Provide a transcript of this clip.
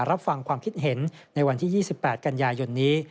รับฟังความคิดเห็นในวันที่๒๘กันยายนนี้